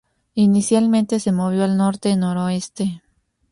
Inicialmente, se movió al norte-noroeste.